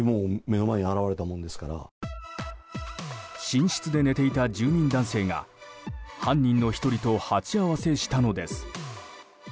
寝室で寝ていた住民男性が犯人の１人と鉢合わせしたのです。